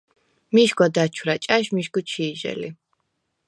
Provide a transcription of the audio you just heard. მიშგვა დაჩვრა̈ ჭა̈შ მიშგუ ჩი̄ჟე ლი.